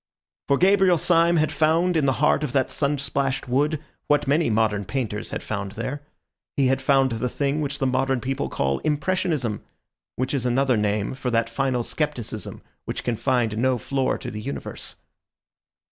For Gabriel Syme had found in the heart of that sun splashed wood what many modern painters had found there. He had found the thing which the modern people call Impressionism, which is another name for that final scepticism which can find no floor to the universe.